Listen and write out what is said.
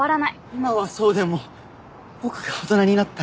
今はそうでも僕が大人になったら。